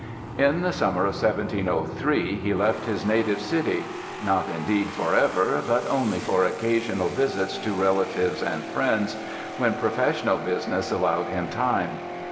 In the summer of 1703 he left his native city; not, indeed, forever, but only for occasional visits to relatives and friends, when professional business allowed him time.